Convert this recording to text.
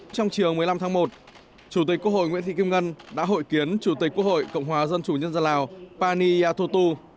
trong chiều một mươi năm tháng một chủ tịch quốc hội nguyễn thị kim ngân đã hội kiến chủ tịch quốc hội cộng hòa dân chủ nhân dân lào pani yathotu